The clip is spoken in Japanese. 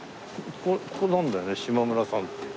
ここなんだよね島村さんっていう。